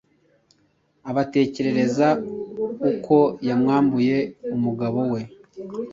Abatekerereza uko yamwambuye umugabo we,